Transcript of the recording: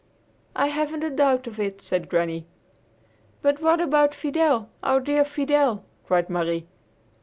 "I haven't a doubt of it," said Granny. "But what about Fidel, our dear Fidel?" cried Marie.